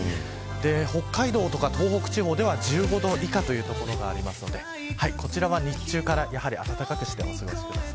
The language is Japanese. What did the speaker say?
北海道や東北地方では１０度以下という所がありますのでこちらは日中から暖かくしてお過ごしください。